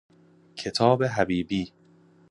کتاب جیبی